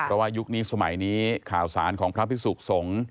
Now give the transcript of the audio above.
เพราะว่ายุคนี้สมัยนี้ข่าวสารของพระพิสุขสงฆ์